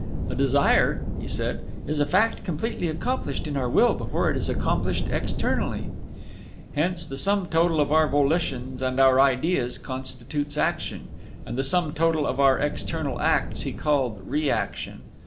"A desire," he said, "is a fact completely accomplished in our will before it is accomplished externally." Hence the sum total of our Volitions and our Ideas constitutes Action, and the sum total of our external acts he called Reaction.